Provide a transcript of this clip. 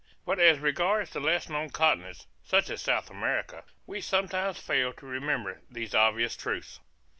But as regards the less known continents, such as South America, we sometimes fail to remember these obvious truths.